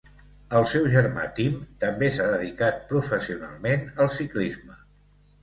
El seu germà Tim també s'ha dedicat professionalment al ciclisme.